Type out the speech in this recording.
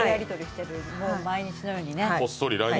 もう毎日のようにね。